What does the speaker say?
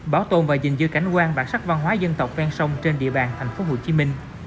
bảo tồn và dình dư cảnh quan bản sắc văn hóa dân tộc ven sông trên địa bàn tp hcm